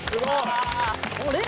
あれ？